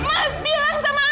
mas tadi mau bilang apa mas